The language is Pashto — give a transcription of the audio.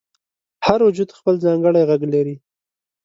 • هر موجود خپل ځانګړی ږغ لري.